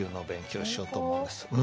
うん。